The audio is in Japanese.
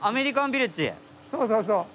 そう、そう、そう。